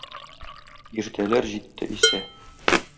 Иртәләр җитте исә...